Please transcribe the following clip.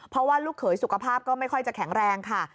เพราะว่าลูกเขยสุขภาพก็ไม่ค่อยจะแข็งแรงค่ะ